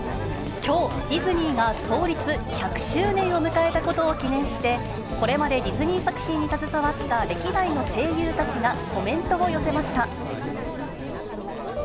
きょう、ディズニーが創立１００周年を迎えたことを記念して、これまでディズニー作品に携わった歴代の声優たちがコメントを寄せました。